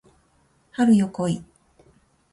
春よ来い